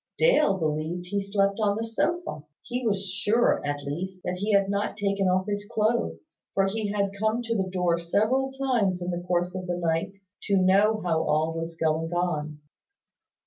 Dale believed he slept on the sofa. He was sure, at least, that he had not taken off his clothes; for he had come to the door several times in the course of the night, to know how all was going on.